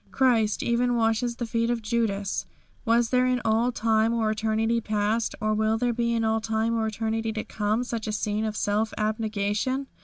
Christ even washes the feet of Judas. Was there in all time or eternity past, or will there be in all time or eternity to come, such a scene of self abnegation?